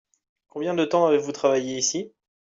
Combien de temps avez-vous travaillé ici ?